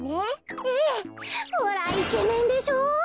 ええほらイケメンでしょ。